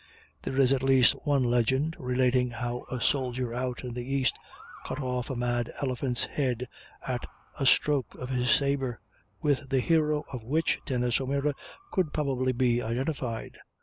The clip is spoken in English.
There is at least one legend relating how a soldier out in the East cut off a mad elephant's head at a stroke of his sabre, with the hero of which Denis O'Meara could probably be identified.